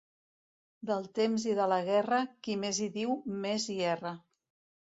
Del temps i de la guerra, qui més hi diu, més hi erra.